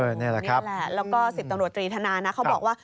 นี่แหละแล้วก็ศิษย์ตำรวจรีธนาเค้าบอกว่า